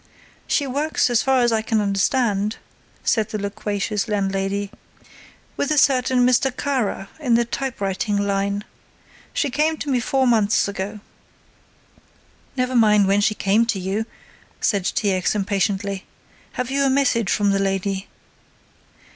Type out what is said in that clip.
"She works as far as I can understand," said the loquacious landlady, "with a certain Mr. Kara in the typewriting line. She came to me four months ago." "Never mind when she came to you," said T. X. impatiently. "Have you a message from the lady?"